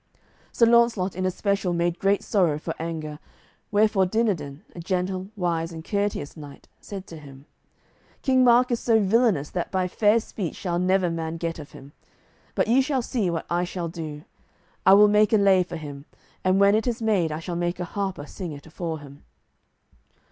Sir Launcelot in especial made great sorrow for anger, wherefore Dinadan, a gentle, wise, and courteous knight, said to him: "King Mark is so villainous that by fair speech shall never man get of him. But ye shall see what I shall do. I will make a lay for him, and when it is made I shall make a harper sing it afore him."